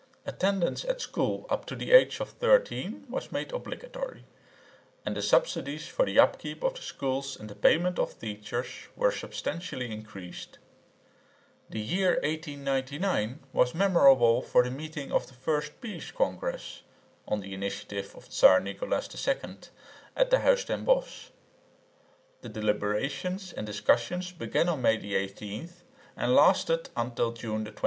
Attendance at school up to the age of 13 was made obligatory, and the subsidies for the upkeep of the schools and the payment of teachers were substantially increased. The year 1899 was memorable for the meeting of the first Peace Congress (on the initiative of the Tsar Nicholas II) at the Huis in't Bosch. The deliberations and discussions began on May 18 and lasted until June 29.